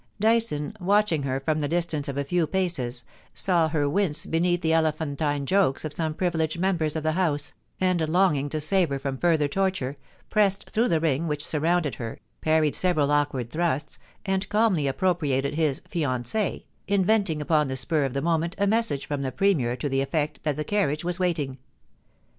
Dyson, watching her from the distance of a few paces, saw her wince beneath the elephantine jokes of some privileged members of the House, and longing to save her from further torture, pressed through the ring which surrounded her, parried several awkward thrusts, and calmly appropriated his fiancke^ inventing upon the spur of the moment a message from the Premier to the effect that the carriage was waiting.